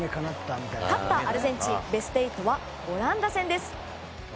勝ったアルゼンチンベスト８はオランダ戦です。